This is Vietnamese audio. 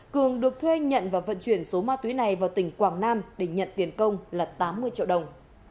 cường được thuê nhận và vận chuyển số ma túy này vào tỉnh quảng nam để nhận tiền công là tám mươi triệu đồng